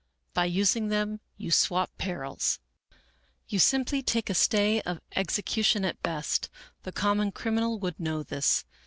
By using them you swap perils. You simply take a stay of execution at best. The common criminal would know this.